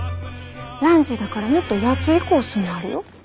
ランチだからもっと安いコースもあるよ。